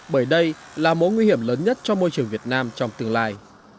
bởi đây là mối nguy hiểm lớn nhất cho môi trường việt nam trong tương lai